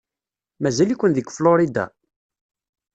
Mazal-iken deg Florida?